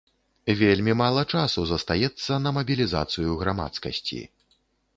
Вельмі мала часу застаецца на мабілізацыю грамадскасці.